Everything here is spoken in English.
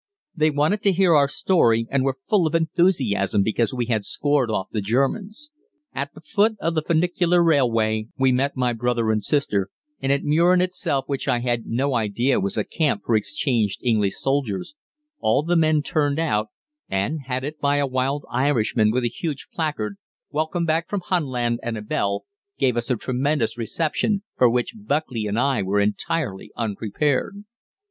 They wanted to hear our story, and were full of enthusiasm because we had scored off the Germans. At the foot of the funicular railway we met my brother and sister, and at Mürren itself which I had no idea was a camp for exchanged English soldiers, all the men turned out, and, headed by a wild Irishman with a huge placard "Welcome back from Hun land" and a bell, gave us a tremendous reception, for which Buckley and I were entirely unprepared.